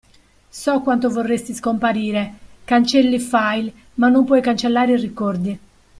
So quanto vorresti scomparire, cancelli file, ma non puoi cancellare i ricordi.